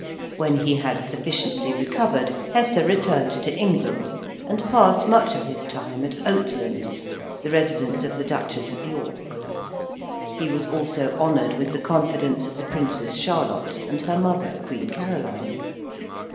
When he had sufficiently recovered, Hesse returned to England, and passed much of his time at Oatlands, the residence of the Duchess of York; he was also honoured with the confidence of the Princess Charlotte and her mother, Queen Caroline.